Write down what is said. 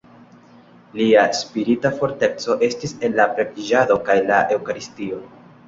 Lia spirita forteco estis en la preĝado kaj la eŭkaristio.